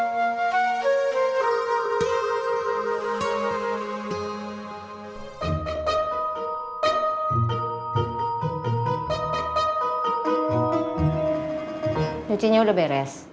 nucinya udah beres